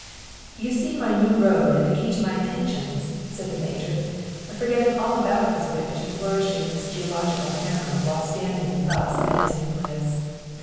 "You see my new road and the key to my intentions?" said the Major, forgetting all about his witch, and flourishing his geological hammer, while standing thus at his "nucleus."